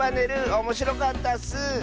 おもしろかったッス！